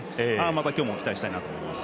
また今日も期待したいなと思います。